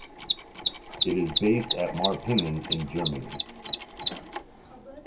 It is based at Marpingen in Germany.